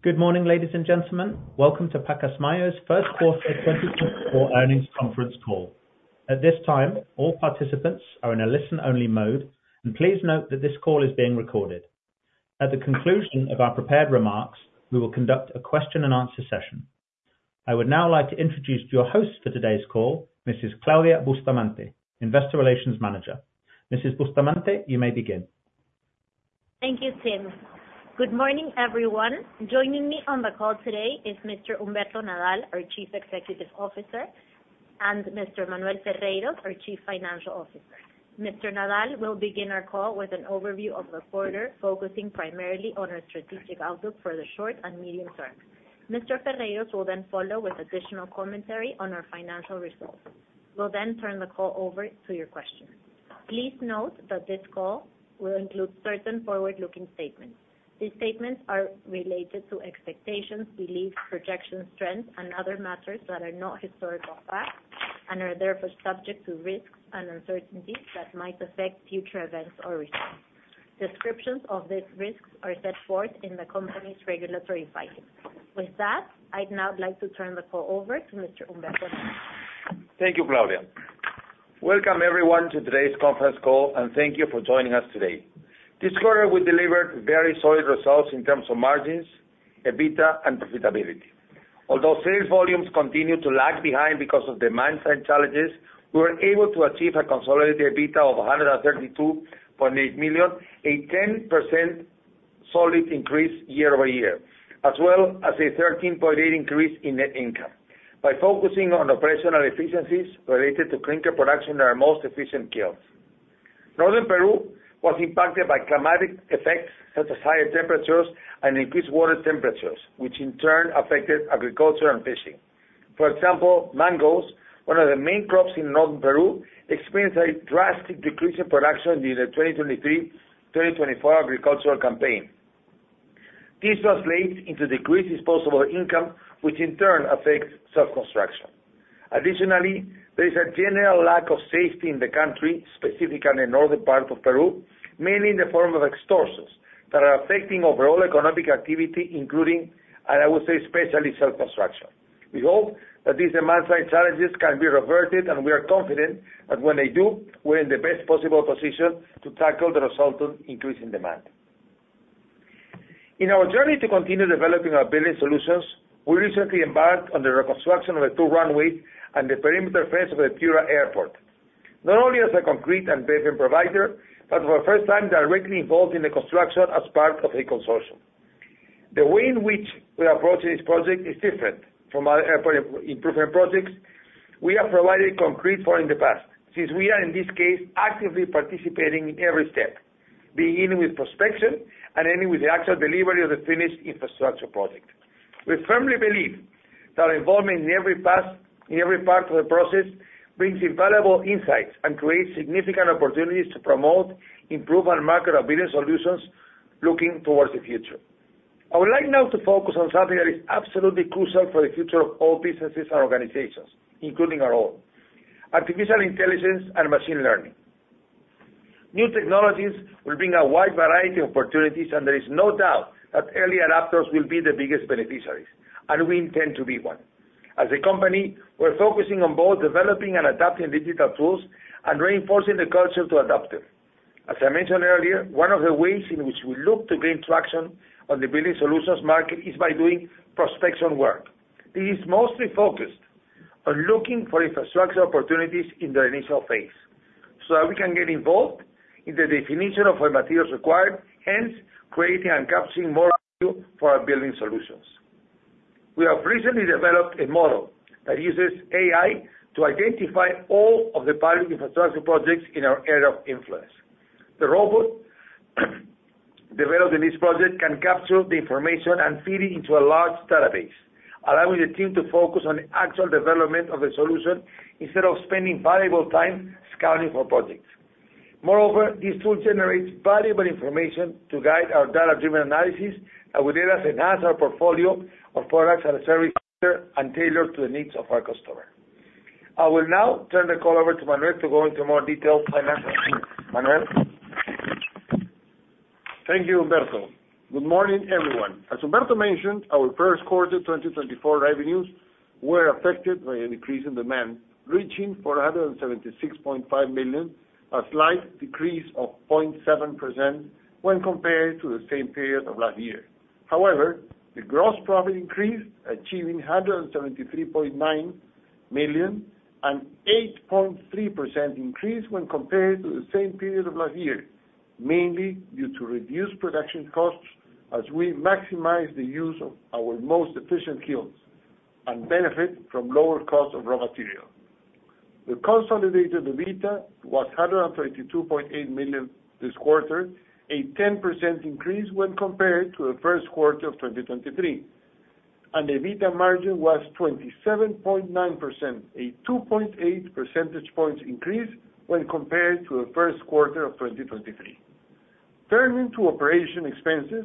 Good morning, ladies and gentlemen. Welcome to Pacasmayo's first quarter 2024 earnings conference call. At this time, all participants are in a listen-only mode, and please note that this call is being recorded. At the conclusion of our prepared remarks, we will conduct a question-and-answer session. I would now like to introduce your host for today's call, Mrs. Claudia Bustamante, Investor Relations Manager. Mrs. Bustamante, you may begin. Thank you, Tim. Good morning, everyone. Joining me on the call today is Mr. Humberto Nadal, our Chief Executive Officer, and Mr. Manuel Ferreyros, our Chief Financial Officer. Mr. Nadal will begin our call with an overview of the quarter, focusing primarily on our strategic outlook for the short and medium term. Mr. Ferreyros will then follow with additional commentary on our financial results. We'll then turn the call over to your questions. Please note that this call will include certain forward-looking statements. These statements are related to expectations, beliefs, projections, trends, and other matters that are not historical facts, and are therefore subject to risks and uncertainties that might affect future events or results. Descriptions of these risks are set forth in the company's regulatory filings. With that, I'd now like to turn the call over to Mr. Humberto Nadal. Thank you, Claudia. Welcome everyone to today's conference call, and thank you for joining us today. This quarter, we delivered very solid results in terms of margins, EBITDA, and profitability. Although sales volumes continued to lag behind because of demand-side challenges, we were able to achieve a consolidated EBITDA of PEN 132.8 million, a 10% solid increase year-over-year, as well as a 13.8 increase in net income by focusing on operational efficiencies related to clinker production in our most efficient kilns. Northern Peru was impacted by climatic effects, such as higher temperatures and increased water temperatures, which in turn affected agriculture and fishing. For example, mangoes, one of the main crops in northern Peru, experienced a drastic decrease in production during the 2023/2024 agricultural campaign. This translates into decreased disposable income, which in turn affects self-construction. Additionally, there is a general lack of safety in the country, specifically in the northern part of Peru, mainly in the form of extortions that are affecting overall economic activity, including, and I would say especially, self-construction. We hope that these demand-side challenges can be reverted, and we are confident that when they do, we're in the best possible position to tackle the resultant increase in demand. In our journey to continue developing our building solutions, we recently embarked on the reconstruction of the two runways and the perimeter fence of the Piura Airport, not only as a concrete and pavement provider, but for the first time, directly involved in the construction as part of a consortium. The way in which we are approaching this project is different from other airport improvement projects we have provided concrete for in the past, since we are, in this case, actively participating in every step, beginning with prospection and ending with the actual delivery of the finished infrastructure project. We firmly believe that involvement in every part, in every part of the process brings invaluable insights and creates significant opportunities to promote, improve, and market our building solutions looking towards the future. I would like now to focus on something that is absolutely crucial for the future of all businesses and organizations, including our own: artificial intelligence and machine learning. New technologies will bring a wide variety of opportunities, and there is no doubt that early adopters will be the biggest beneficiaries, and we intend to be one. As a company, we're focusing on both developing and adapting digital tools and reinforcing the culture to adopt them. As I mentioned earlier, one of the ways in which we look to gain traction on the building solutions market is by doing prospection work. This is mostly focused on looking for infrastructure opportunities in the initial phase, so that we can get involved in the definition of what materials are required, hence creating and capturing more value for our building solutions. We have recently developed a model that uses AI to identify all of the public infrastructure projects in our area of influence. The robot developed in this project can capture the information and feed it into a large database, allowing the team to focus on the actual development of the solution instead of spending valuable time scouting for projects. Moreover, this tool generates valuable information to guide our data-driven analysis, and will help us enhance our portfolio of products and services and tailor to the needs of our customer. I will now turn the call over to Manuel to go into more detail financially. Manuel? Thank you, Humberto. Good morning, everyone. As Humberto mentioned, our first quarter 2024 revenues were affected by a decrease in demand, reaching PEN 476.5 million, a slight decrease of 0.7% when compared to the same period of last year. However, the gross profit increased, achieving PEN 173.9 million, an 8.3% increase when compared to the same period of last year, mainly due to reduced production costs as we maximize the use of our most efficient kilns and benefit from lower cost of raw material. The consolidated EBITDA was PEN 132.8 million this quarter, a 10% increase when compared to the first quarter of 2023, and EBITDA margin was 27.9%, a 2.8 percentage points increase when compared to the first quarter of 2023. Turning to operating expenses,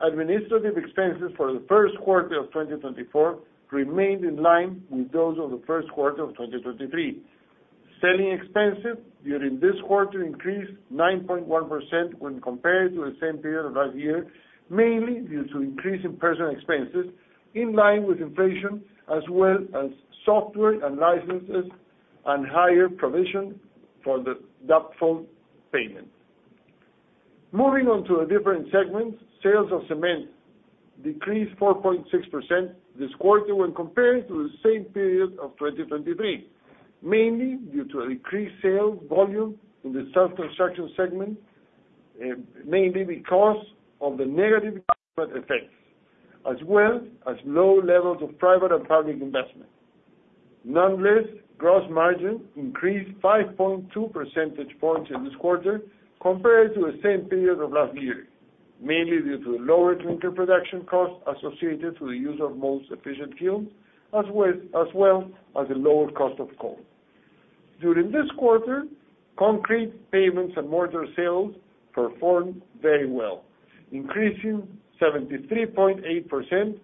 administrative expenses for the first quarter of 2024 remained in line with those of the first quarter of 2023. Selling expenses during this quarter increased 9.1% when compared to the same period of last year, mainly due to increase in personnel expenses, in line with inflation, as well as software and licenses and higher provision for the doubtful payment. Moving on to the different segments, sales of cement decreased 4.6% this quarter when compared to the same period of 2023, mainly due to a decreased sales volume in the self-construction segment, mainly because of the negative effects, as well as low levels of private and public investment. Nonetheless, gross margin increased 5.2 percentage points in this quarter compared to the same period of last year, mainly due to lower clinker production costs associated to the use of most efficient kilns, as well as the lower cost of coal. During this quarter, concrete pavements and mortar sales performed very well, increasing 73.8%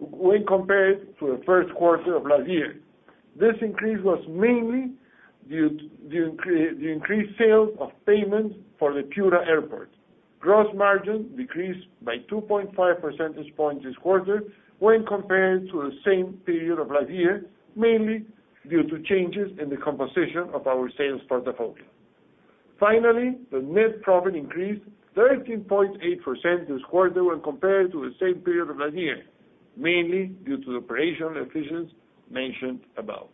when compared to the first quarter of last year. This increase was mainly due to the increased sales of pavements for the Piura Airport. Gross margin decreased by 2.5 percentage points this quarter when compared to the same period of last year, mainly due to changes in the composition of our sales portfolio. Finally, the net profit increased 13.8% this quarter when compared to the same period of last year, mainly due to the operational efficiencies mentioned above.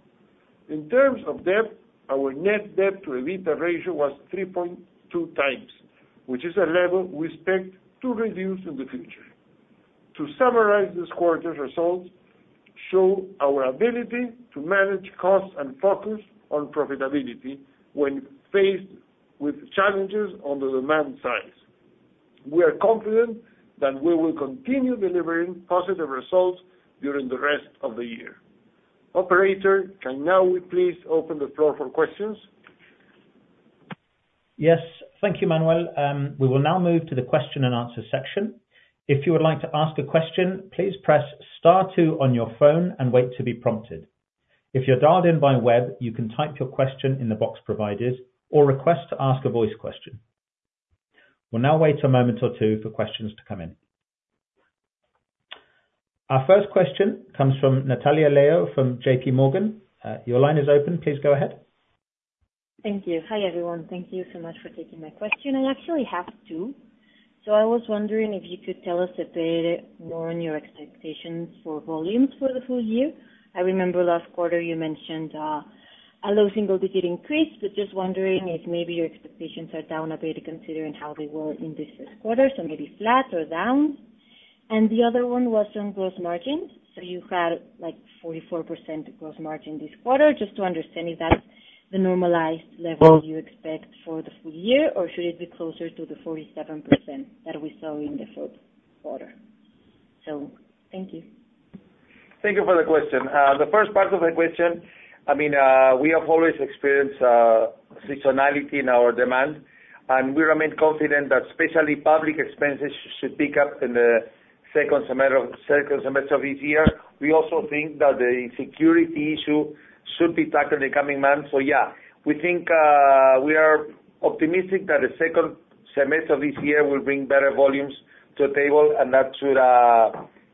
In terms of debt, our net debt to EBITDA ratio was 3.2x, which is a level we expect to reduce in the future. To summarize, this quarter's results show our ability to manage costs and focus on profitability when faced with challenges on the demand side. We are confident that we will continue delivering positive results during the rest of the year. Operator, can now we please open the floor for questions? Yes, thank you, Manuel. We will now move to the question and answer section. If you would like to ask a question, please press star two on your phone and wait to be prompted. If you're dialed in by web, you can type your question in the box provided or request to ask a voice question. We'll now wait a moment or two for questions to come in. Our first question comes from Natalia Leo, from J.P. Morgan. Your line is open. Please go ahead. Thank you. Hi, everyone. Thank you so much for taking my question. I actually have two. So I was wondering if you could tell us a bit more on your expectations for volumes for the full year. I remember last quarter you mentioned a low single digit increase, but just wondering if maybe your expectations are down a bit, considering how they were in this quarter, so maybe flat or down? And the other one was on gross margins. So you had, like, 44% gross margin this quarter. Just to understand, is that the normalized level you expect for the full year, or should it be closer to the 47% that we saw in the fourth quarter? So thank you. Thank you for the question. The first part of the question, I mean, we have always experienced seasonality in our demand, and we remain confident that especially public expenses should pick up in the second semester, second semester of this year. We also think that the security issue should be tackled in the coming months. So yeah, we think we are optimistic that the second semester this year will bring better volumes to the table, and that should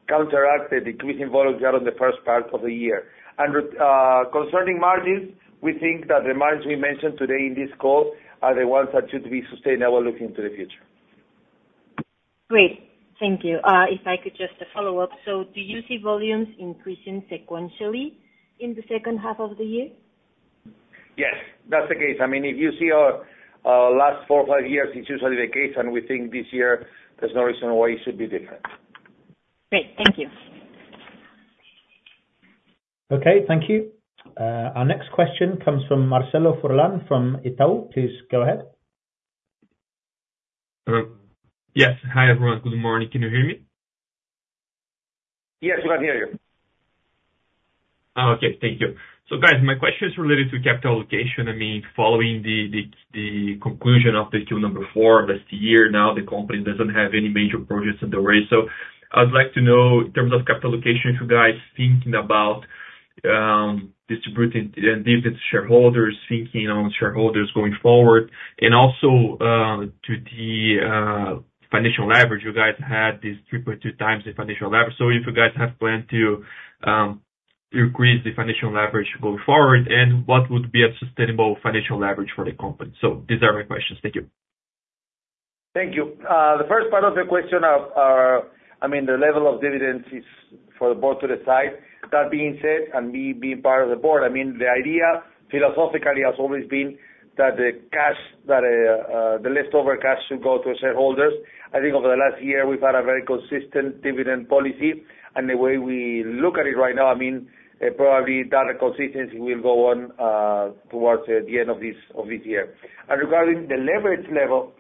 counteract the decreasing volumes during the first part of the year. Concerning margins, we think that the margins we mentioned today in this call are the ones that should be sustainable looking into the future. Great. Thank you. If I could just a follow-up: So do you see volumes increasing sequentially in the second half of the year? Yes, that's the case. I mean, if you see our last four or five years, it's usually the case, and we think this year there's no reason why it should be different. Great. Thank you. Okay. Thank you. Our next question comes from Marcelo Furlan, from Itaú. Please go ahead. Yes. Hi, everyone. Good morning. Can you hear me? Yes, we can hear you. Okay. Thank you. So guys, my question is related to capital allocation. I mean, following the conclusion of the Q4 last year, now the company doesn't have any major projects on the way. So I would like to know, in terms of capital allocation, if you guys thinking about distributing dividends to shareholders, thinking on shareholders going forward? And also, to the financial leverage, you guys had this 3.2x the financial leverage. So if you guys have planned to increase the financial leverage going forward, and what would be a sustainable financial leverage for the company? So these are my questions. Thank you. Thank you. The first part of the question, I mean, the level of dividends is for the board to decide. That being said, and me being part of the board, I mean, the idea philosophically has always been that the cash that the leftover cash should go to shareholders. I think over the last year, we've had a very consistent dividend policy, and the way we look at it right now, I mean, probably that consistency will go on towards the end of this, of this year. And regarding the leverage level,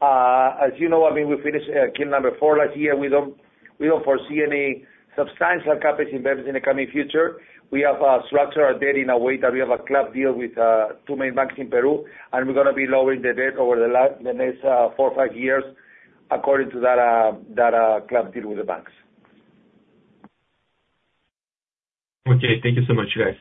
as you know, I mean, we finished Q4 last year. We don't, we don't foresee any substantial CapEx investments in the coming future. We have structured our debt in a way that we have a club deal with two main banks in Peru, and we're gonna be lowering the debt over the next four or five years according to that club deal with the banks. Okay, thank you so much, you guys.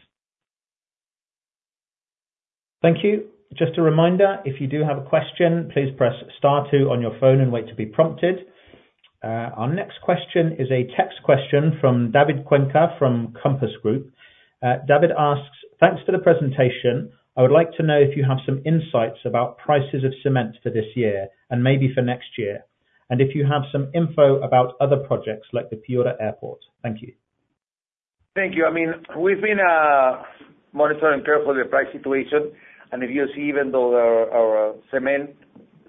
Thank you. Just a reminder, if you do have a question, please press star two on your phone and wait to be prompted. Our next question is a text question from David Cuenca, from Compass Group. David asks: "Thanks for the presentation. I would like to know if you have some insights about prices of cement for this year, and maybe for next year, and if you have some info about other projects like the Piura Airport. Thank you. Thank you. I mean, we've been monitoring carefully the price situation, and if you see, even though our cement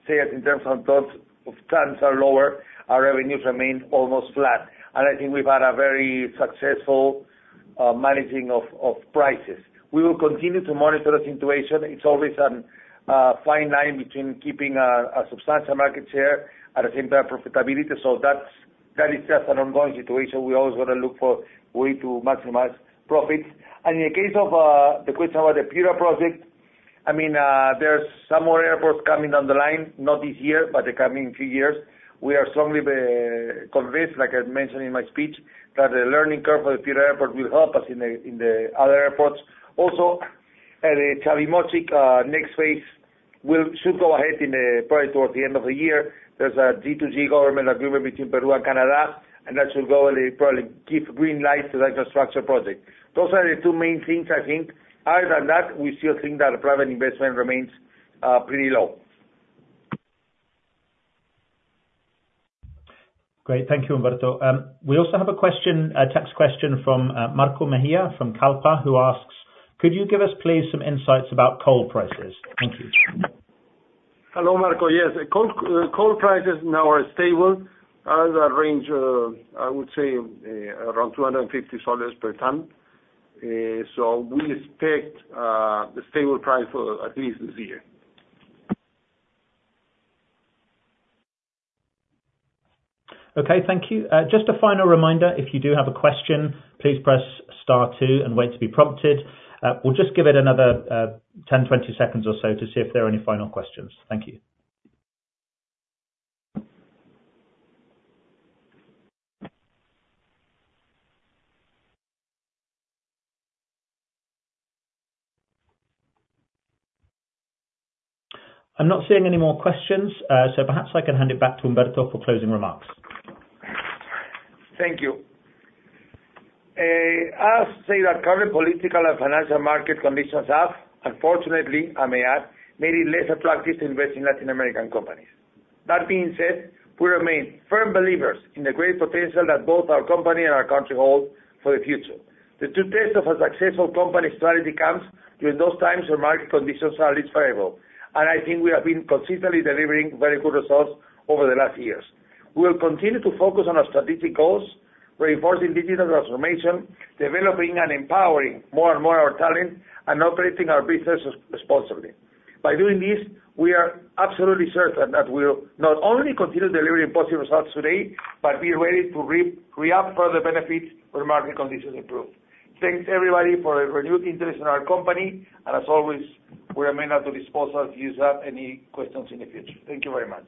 sales in terms of tons are lower, our revenues remain almost flat. I think we've had a very successful managing of prices. We will continue to monitor the situation. It's always a fine line between keeping a substantial market share, at the same time, profitability. That is just an ongoing situation. We always wanna look for a way to maximize profits. And in the case of the question about the Piura project, I mean, there's some more airports coming down the line, not this year, but the coming few years. We are strongly convinced, like I mentioned in my speech, that the learning curve for the Piura Airport will help us in the other airports. Also, at Chavimochic, next phase should go ahead in the project towards the end of the year. There's a G2G government agreement between Peru and Canada, and that should go and probably give green light to the infrastructure project. Those are the two main things, I think. Other than that, we still think that private investment remains pretty low. Great. Thank you, Humberto. We also have a question, a text question from Marco Mejía from Kallpa, who asks: "Could you give us please, some insights about coal prices? Thank you. Hello, Marco. Yes, the coal prices now are stable, at a range of, I would say, around $250 per ton. So we expect the stable price for at least this year. Okay, thank you. Just a final reminder, if you do have a question, please press star two and wait to be prompted. We'll just give it another 10, 20 seconds or so to see if there are any final questions. Thank you. I'm not seeing any more questions, so perhaps I can hand it back to Humberto for closing remarks. Thank you. I'll say that current political and financial market conditions have unfortunately, I may add, made it less attractive to invest in Latin American companies. That being said, we remain firm believers in the great potential that both our company and our country hold for the future. The true test of a successful company strategy comes during those times when market conditions are least favorable, and I think we have been consistently delivering very good results over the last years. We will continue to focus on our strategic goals, reinforcing digital transformation, developing and empowering more and more our talent, and operating our business responsibly. By doing this, we are absolutely certain that we'll not only continue delivering positive results today, but be ready to reap further benefits when market conditions improve. Thanks, everybody, for your renewed interest in our company, and as always, we remain at the disposal if you have any questions in the future. Thank you very much.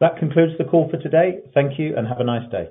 That concludes the call for today. Thank you, and have a nice day.